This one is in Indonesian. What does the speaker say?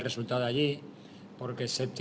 resultat dari pertempuran